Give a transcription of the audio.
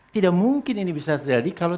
tidak mungkin ini bisa terjadi kalau